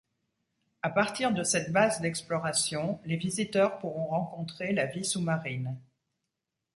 À partir de cette base d'exploration, les visiteurs pourront rencontrer la vie sous-marine.